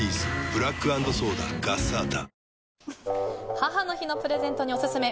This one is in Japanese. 母の日のプレゼントにオススメ。